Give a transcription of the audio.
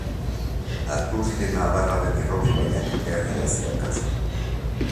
Aturriren adarra den Errobi ibaiak herria zeharkatzen du.